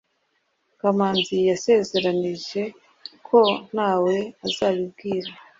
Kamanzi yansezeranije ko ntawe azabwira.